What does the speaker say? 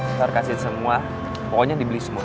ntar kasih semua pokoknya dibeli semua